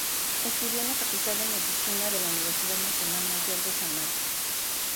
Estudió en la Facultad de Medicina de la Universidad Nacional Mayor de San Marcos.